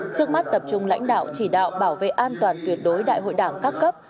trước mắt tập trung lãnh đạo chỉ đạo bảo vệ an toàn tuyệt đối đại hội đảng các cấp